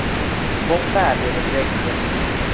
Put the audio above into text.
To`xta, dedi Brekket